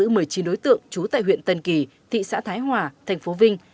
đã ập vào sới bạc bắt giữ một mươi chín đối tượng trú tại huyện tân kỳ thị xã thái hòa thành phố vinh